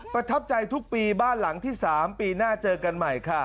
ประทับใจทุกปีบ้านหลังที่๓ปีหน้าเจอกันใหม่ค่ะ